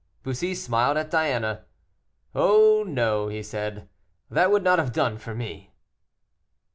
Bussy smiled at Diana. "Oh, no," he said, "that would not have done for me."